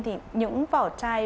thì những vỏ trai